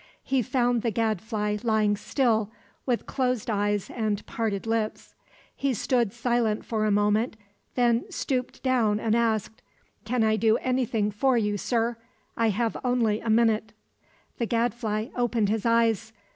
He found the Gadfly lying still, with closed eyes and parted lips. He stood silent for a moment; then stooped down and asked: "Can I do anything for you, sir? I have only a minute." The Gadfly opened his eyes.